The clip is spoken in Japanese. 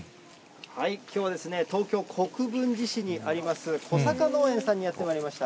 きょうは、東京・国分寺市にあります、小坂農園さんにやってまいりました。